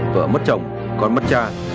tỏa mất chồng con mất cha